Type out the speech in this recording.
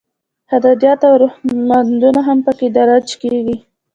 هدایات او رهنمودونه هم پکې درج کیږي.